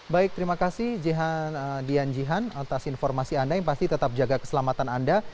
baik terima kasih dian jihan atas informasi anda yang pasti tetap jaga keselamatan anda